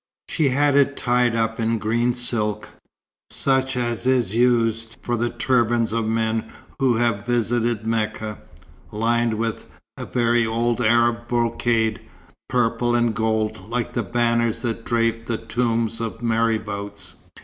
She had it tied up in green silk, such as is used for the turbans of men who have visited Mecca, lined with a very old Arab brocade, purple and gold, like the banners that drape the tombs of marabouts.